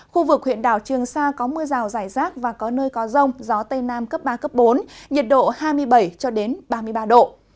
khu vực huyện đảo trường sa có mưa rào rải rác và có nơi có rông gió tây nam cấp ba bốn nhiệt độ hai mươi bảy ba mươi ba độ